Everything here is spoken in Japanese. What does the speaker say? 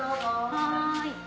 はい。